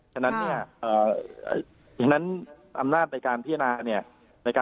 ฉะนั้นอำนาจในการพิจารณา